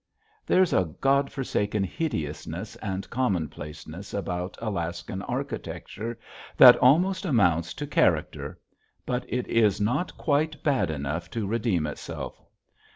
There's a God forsaken hideousness and commonplaceness about Alaskan architecture that almost amounts to character but it is not quite bad enough to redeem itself.